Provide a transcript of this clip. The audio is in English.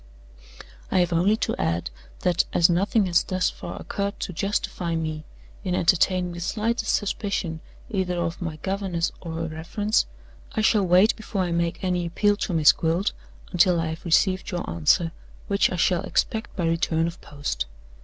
"I have only to add that, as nothing has thus far occurred to justify me in entertaining the slightest suspicion either of my governess or her reference, I shall wait before I make any appeal to Miss Gwilt until I have received your answer which I shall expect by return of post.